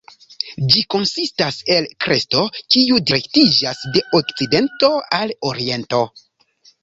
Ĝi konsistas el kresto kiu direktiĝas de okcidento al oriento.